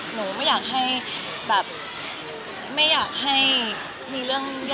หนูไม่อยากให้มีเรื่องแย่